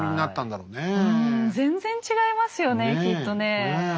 うん全然違いますよねきっとね。